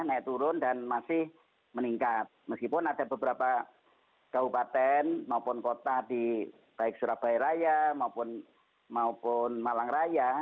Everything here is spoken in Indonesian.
naik turun dan masih meningkat meskipun ada beberapa kabupaten maupun kota di baik surabaya raya maupun malang raya